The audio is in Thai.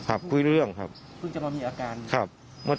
เพิ่งจะมีอาการ